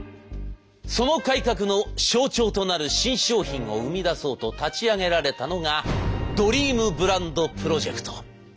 その改革の象徴となる新商品を生み出そうと立ち上げられたのがドリームブランドプロジェクト。